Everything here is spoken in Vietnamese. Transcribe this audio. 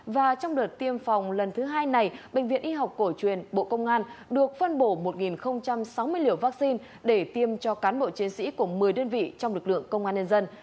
và trong đợt tiêm phòng lần thứ hai này bệnh viện y học cổ truyền bộ công an được phân bổ một sáu mươi liều vaccine để tiêm cho cán bộ chiến sĩ của một mươi đơn vị trong lực lượng công an nhân dân